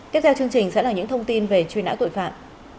tiếp theo chương trình sẽ là những thông tin về truy nã tội phạm